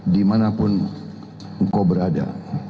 dimanapun engkau berada